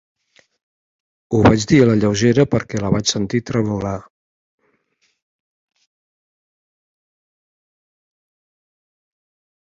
Ho vaig dir a la lleugera, perquè la vaig sentir tremolar.